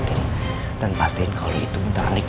jangan sampai yangul itu tidak kuning